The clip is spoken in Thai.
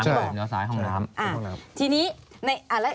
เลี้ยวซ้ายห้องน้ำ